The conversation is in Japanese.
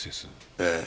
ええ。